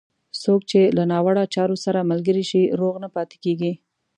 څوک چې له ناوړه چارو سره ملګری شي، روغ نه پاتېږي.